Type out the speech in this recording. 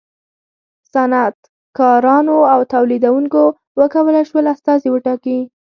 صنعتکارانو او تولیدوونکو و کولای شول استازي وټاکي.